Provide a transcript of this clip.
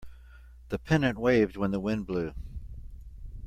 The pennant waved when the wind blew.